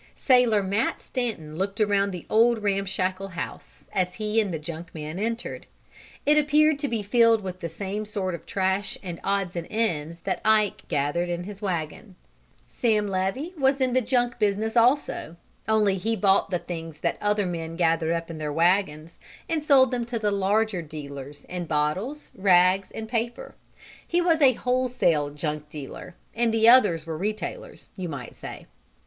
Sailor Matt Stanton looked around the old ramshackle house as he and the junk man entered. It appeared to be filled with the same sort of trash and odds and ends that Ike gathered in his wagon. Sam Levy was in the junk business also, only he bought the things the other men gathered up in their wagons, and sold them to the larger dealers in bottles, rags and paper. He was a wholesale junk dealer and the others were retailers, you might say.